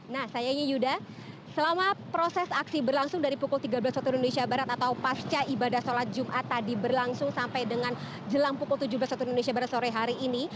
nah sayangnya yuda selama proses aksi berlangsung dari pukul tiga belas waktu indonesia barat atau pasca ibadah sholat jumat tadi berlangsung sampai dengan jelang pukul tujuh belas waktu indonesia barat sore hari ini